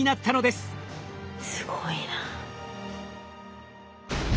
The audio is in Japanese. すごいな。